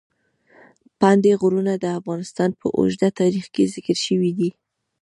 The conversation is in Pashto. پابندي غرونه د افغانستان په اوږده تاریخ کې ذکر شوي دي.